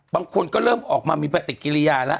บางคนก็เริ่มออกมามีปฏิกิริยาแล้ว